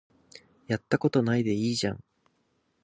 やったことないでいいじゃん